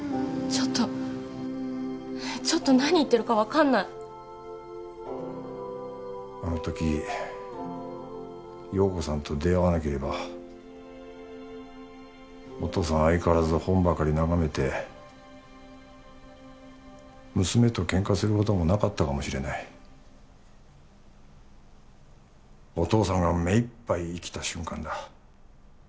ちょっとちょっと何言ってるか分かんないあのとき陽子さんと出会わなければお父さん相変わらず本ばかり眺めて娘とケンカすることもなかったかもしれないお父さんが目いっぱい生きた瞬間だ